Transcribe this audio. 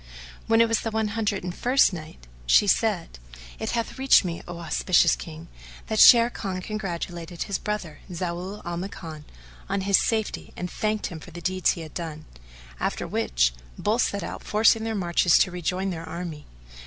When it was the One Hundred and First Night, She said, It hath reached me, O auspicious King, that Sharrkan congratulated his brother, Zau al Makan, on his safety and thanked him for the deeds he had done; after which both set out forcing their marches to rejoin their army.